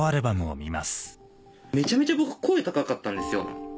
めちゃめちゃ僕声高かったんですよ。